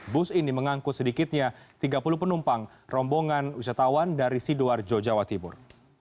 bus ini mengangkut sedikitnya tiga puluh penumpang rombongan wisatawan dari sidoarjo jawa timur